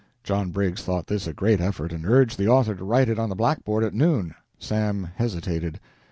John Briggs thought this a great effort, and urged the author to write it on the blackboard at noon. Sam hesitated.